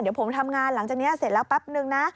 เดี๋ยวผมทำงานหลังจากนี้เสร็จแล้วแป๊บนึงนะ